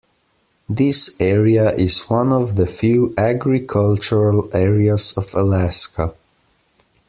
This area is one of the few agricultural areas of Alaska.